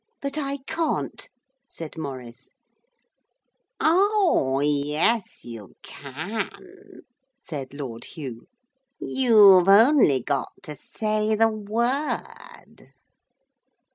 'But I can't,' said Maurice. 'Oh, yes, you can,' said Lord Hugh. 'You've only got to say the word.'